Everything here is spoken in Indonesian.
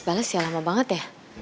bales ya lama banget ya